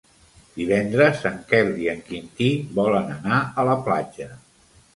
Divendres en Quel i en Quintí volen anar a la platja.